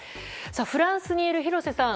フランスにいる廣瀬さん